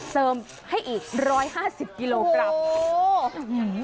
เติมให้อีก๑๕๐กิโลกรัม